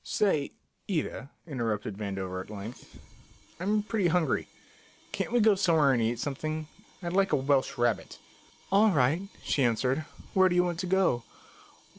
"Say, Ida," interrupted Vandover at length, "I'm pretty hungry. Can't we go somewhere and eat something? I'd like a Welsh rabbit." "All right," she answered. "Where do you want to go?"